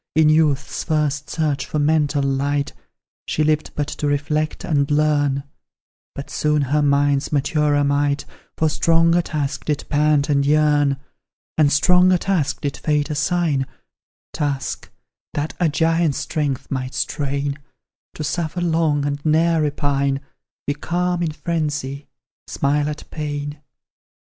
In youth's first search for mental light, She lived but to reflect and learn, But soon her mind's maturer might For stronger task did pant and yearn; And stronger task did fate assign, Task that a giant's strength might strain; To suffer long and ne'er repine, Be calm in frenzy, smile at pain.